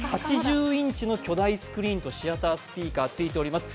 ８０インチの巨大スクリーンとシアタースピーカーがついております。